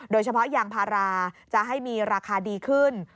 โดยเฉพาะยางพาราจะให้มีราคาดีขึ้น